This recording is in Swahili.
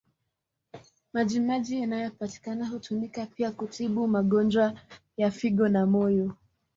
Maji maji yanayopatikana hutumika pia kutibu magonjwa ya figo na moyo.